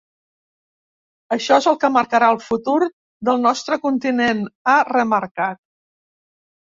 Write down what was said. Això és el que marcarà el futur del nostre continent, ha remarcat.